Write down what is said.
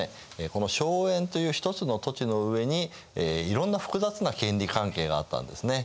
この荘園という一つの土地の上にいろんな複雑な権利関係があったんですね。